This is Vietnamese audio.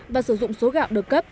và sử dụng số gạo đợt cấp